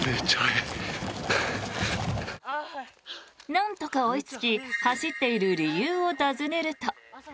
なんとか追いつき走っている理由を尋ねると。